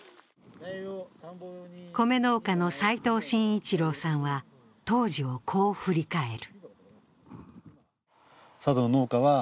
米農家の斎藤真一郎さんは、当時をこう振り返る。